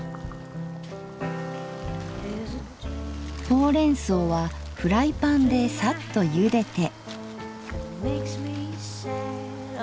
ほうれんそうはフライパンでさっとゆでて。